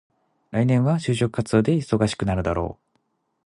来年は就職活動で忙しくなるだろう。